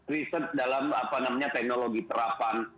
riset dalam apa namanya teknologi terapan